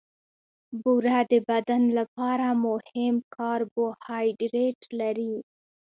بوره د بدن لپاره مهم کاربوهایډریټ لري.